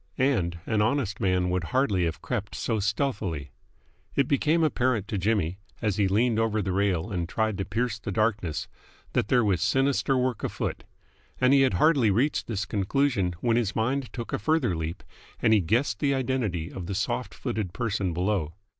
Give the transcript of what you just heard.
And an honest man would hardly have crept so stealthily. It became apparent to Jimmy, as he leaned over the rail and tried to pierce the darkness, that there was sinister work afoot; and he had hardly reached this conclusion when his mind took a further leap and he guessed the identity of the soft footed person below.